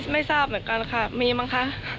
ไม่ทราบเหมือนกันค่ะมีมั้งคะ